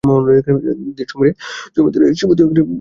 ধীরসমীরে যমুনাতীরে বসতি বনে বনমালী– শ্রীশ।